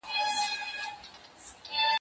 دې چي ول باغ به په کلي کي وي باره په ښار کي و